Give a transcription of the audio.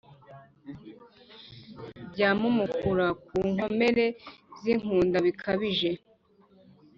byamumukura ku nkomere zinkunda bikabije